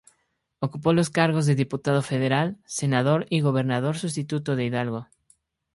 Ocupó los cargos de Diputado Federal, Senador y Gobernador Sustituto de Hidalgo.